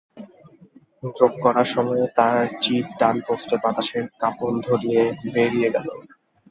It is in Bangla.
যোগ করা সময়ে তাঁর চিপ ডান পোস্টে বাতাসের কাঁপন ধরিয়ে বেরিয়ে গেল।